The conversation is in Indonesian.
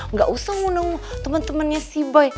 nggak usah ngundang temen temennya si boy